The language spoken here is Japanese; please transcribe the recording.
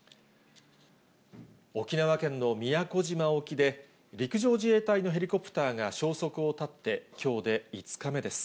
沖縄県の宮古島沖で、陸上自衛隊のヘリコプターが消息を絶ってきょうで５日目です。